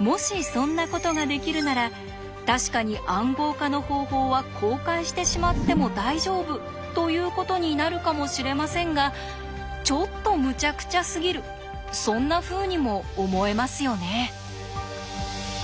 もしそんなことができるなら確かに「暗号化の方法」は公開してしまっても大丈夫ということになるかもしれませんがちょっとむちゃくちゃすぎるそんなふうにも思えますよね。